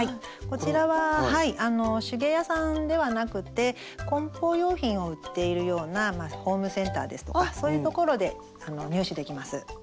こちらは手芸屋さんではなくてこん包用品を売っているようなホームセンターですとかそういうところで入手できます。